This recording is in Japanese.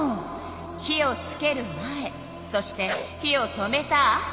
火をつける前そして火を止めたあと。